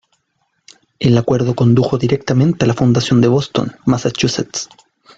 El acuerdo condujo directamente a la fundación de Boston, Massachusetts.